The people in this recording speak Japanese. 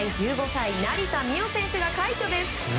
１５歳、成田実生選手が快挙です。